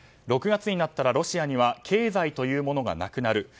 ６月になったらロシアには経済というものがなくなる。